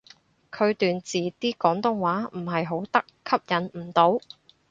佢段字啲廣東話唔係好得，吸引唔到